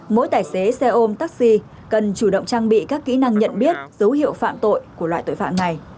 mỗi tài xế xe ôm taxi cần chủ động trang bị các kỹ năng nhận biết dấu hiệu phạm tội của loại tội phạm này